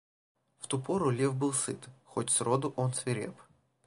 В ту пору лев был сыт, хоть сроду он свиреп.